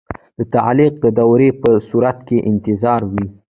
د تعلیق د دورې په صورت کې انتظار وي.